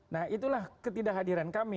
nah itulah ketidakhadiran kami